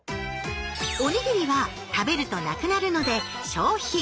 おにぎりは食べると無くなるので「消費」。